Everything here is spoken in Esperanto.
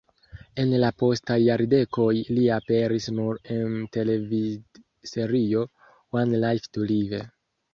En la postaj jardekoj li aperis nur en televidserio "One Life to Live".